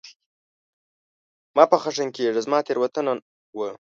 مه په خښم کېږه ، زما تېروتنه وه !